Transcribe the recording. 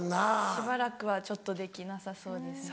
しばらくはちょっとできなさそうですね。